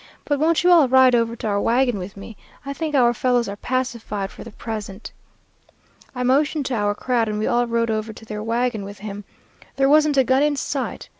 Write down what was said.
'But won't you all ride over to our wagon with me? I think our fellows are pacified for the present.' "I motioned to our crowd, and we all rode over to their wagon with him. There wasn't a gun in sight.